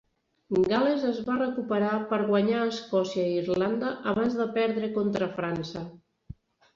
Gal·les es va recuperar per guanyar a Escòcia i Irlanda abans de perdre contra França.